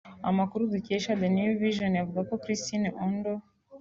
Amakuru dukesha the New vision avuga ko Christine Ondoa